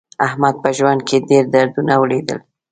احمد په ژوند کې ډېر دردونه ولیدل.